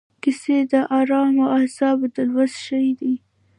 کیسې د ارامو اعصابو د لوست شی دی.